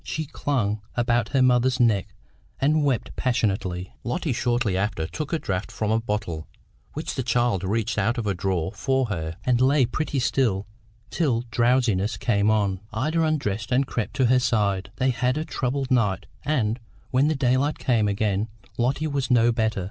She clung about her mother's neck and wept passionately. Lotty shortly after took a draught from a bottle which the child reached out of a drawer for her, and lay pretty still till drowsiness came on. Ida undressed and crept to her side. They had a troubled night, and, when the daylight came again, Lotty was no better.